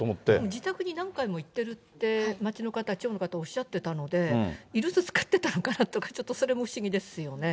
自宅に何回も行ってるって、町の方、町の方言ってたので、居留守使ってたのかなとか、それも不思議ですよね。